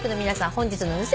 本日の運勢